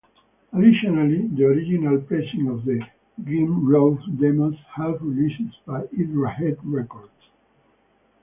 Additionally, the original pressing of "The Grimmrobe Demos" was released by Hydra Head Records.